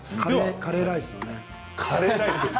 カレーライスですね。